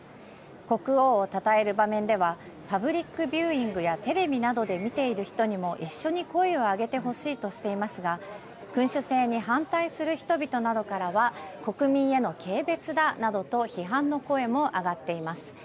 国王をたたえる場面では、パブリックビューイングやテレビなどで見ている人にも一緒に声を上げてほしいとしていますが、君主制に反対する人々などからは、国民への軽蔑だなどと批判の声も上がっています。